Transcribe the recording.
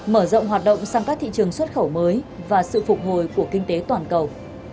mở rộng hoạt động sang các thị trường xuất khẩu mới và sự phục hồi của kinh tế toàn cầu